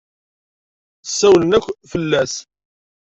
Ssawalen akk fell-as.